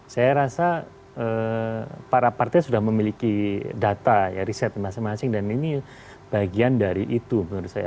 saya rasa para partai sudah memiliki data ya riset masing masing dan ini bagian dari itu menurut saya